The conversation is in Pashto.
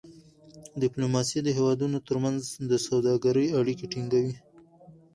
ډيپلوماسي د هېوادونو ترمنځ د سوداګری اړیکې ټینګوي.